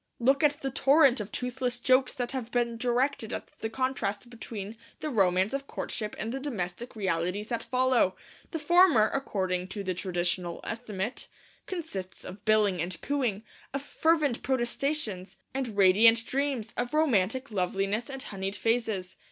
Look at the torrent of toothless jokes that have been directed at the contrast between the romance of courtship and the domestic realities that follow. The former, according to the traditional estimate, consists of billing and cooing, of fervent protestations and radiant dreams, of romantic loveliness and honeyed phrases.